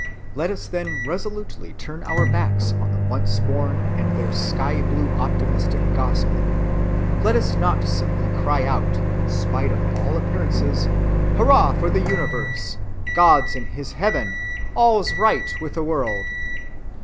Let us then resolutely turn our backs on the once‐born and their sky‐blue optimistic gospel; let us not simply cry out, in spite of all appearances, "Hurrah for the Universe!—God's in his Heaven, all's right with the world."